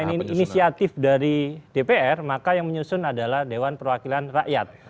karena ini inisiatif dari dpr maka yang menyusun adalah dewan perwakilan rakyat